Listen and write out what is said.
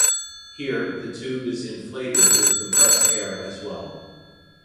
Here, the tube is "inflated" with compressed air as well.